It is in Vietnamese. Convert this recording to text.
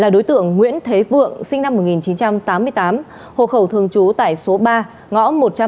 đối tượng nguyễn thế vượng sinh năm một nghìn chín trăm tám mươi tám hộ khẩu thường trú tại số ba